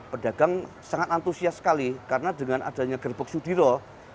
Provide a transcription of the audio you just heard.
pedagang sangat antusias sekali karena dengan adanya gerbek sudiro